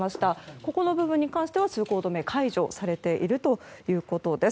ここの部分に関しては通行止めが解除されているということです。